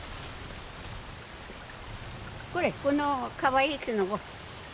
これこのかわいいきのこ。